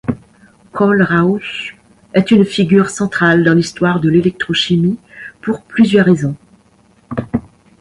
Kohlrausch est une figure centrale dans l'histoire de l'électro-chimie pour plusieurs raisons.